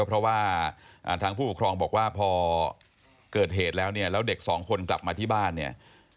เพราะว่าทางผู้ปกครองบอกว่าพอเกิดเหตุแล้วเนี่ยแล้วเด็กสองคนกลับมาที่บ้านเนี่ย